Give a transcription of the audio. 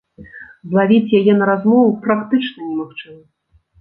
Злавіць яе на размову практычна немагчыма!